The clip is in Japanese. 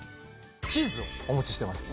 チーズをお持ちしてます